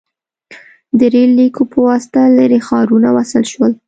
• د ریل لیکو په واسطه لرې ښارونه وصل شول.